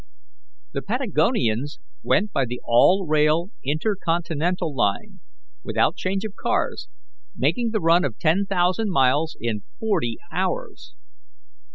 The Patagonians went by the all rail Intercontinental Line, without change of cars, making the run of ten thousand miles in forty hours.